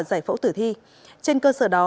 giải phẫu tử thi trên cơ sở đó